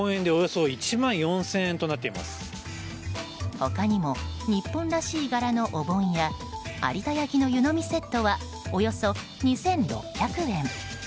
他にも、日本らしい柄のお盆や有田焼の湯呑みセットはおよそ２６００円。